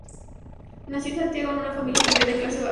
Nació en Santiago, en una familia judía de clase baja.